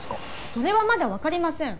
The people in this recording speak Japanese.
それはまだ分かりません